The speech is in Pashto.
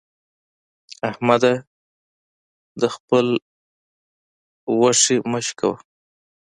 احمده! د خبل غوښې مه شکوه.